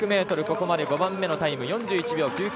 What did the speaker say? ここまで５番目のタイム４１秒９９。